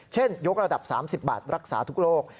เช่นยกระดับ๓๐บาทรักษาทุกโลก